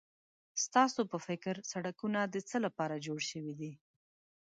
ستاسو په فکر سړکونه د څه لپاره جوړ شوي دي؟